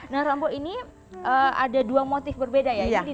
nah rambu ini ada dua motif berbeda ya